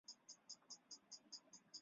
本季起点为纽约市曼哈顿的时报广场。